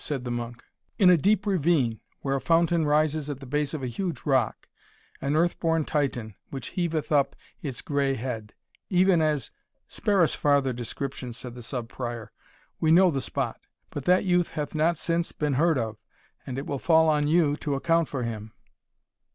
said the monk. "In a deep ravine, where a fountain rises at the base of a huge rock; an earth born Titan, which heaveth up its gray head, even as " "Spare us farther description," said the Sub Prior; "we know the spot. But that youth hath not since been heard of, and it will fall on you to account for him."